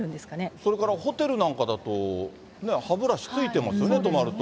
それからホテルなんかだと、歯ブラシついてますよね、止まると。